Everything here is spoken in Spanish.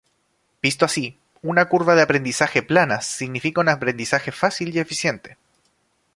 Visto así, una curva de aprendizaje plana significa un aprendizaje fácil y eficiente.